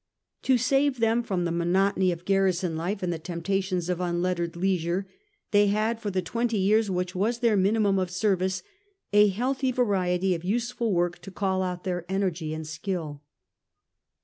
To save them from the monotony of garrison life and the temptations of unlettered leisure they had for the twenty years which was their mini mum of service a healthy variety of useful work to call out their energy and skill.